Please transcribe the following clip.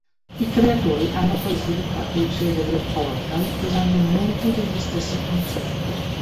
I creatori hanno poi sviluppato il celebre "Portal" usando molti degli stessi concetti.